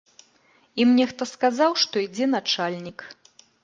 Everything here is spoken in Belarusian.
Ім нехта сказаў, што ідзе начальнік.